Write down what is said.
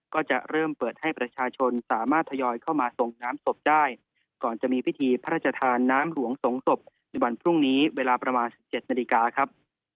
ก็จะเริ่มเปิดให้ประชาชนสามารถทยอยเข้ามาส่งน้ำศพได้ก่อนจะมีพิธีพระราชทานน้ำหลวงสงศพในวันพรุ่งนี้เวลาประมาณ๑๗นาฬิกาครับ